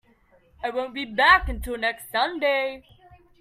I won't be back until next Sunday.